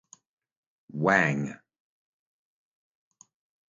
Wang.